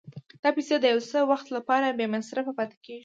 دا پیسې د یو څه وخت لپاره بې مصرفه پاتې کېږي